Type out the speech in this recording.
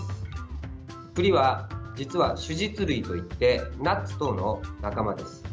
栗は実は種実類といってナッツ等の仲間です。